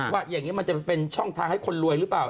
ว่าอย่างนี้มันจะเป็นช่องทางให้คนรวยหรือเปล่า